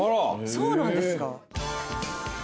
そうなんですか？